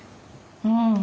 うん。